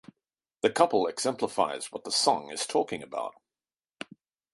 The couple exemplifies what the song is talking about.